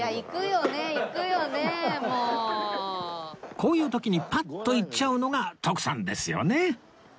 こういう時にパッと行っちゃうのが徳さんですよね